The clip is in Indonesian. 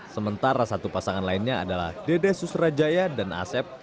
sementara satu pasangan lainnya adalah dede susrajaya dan asep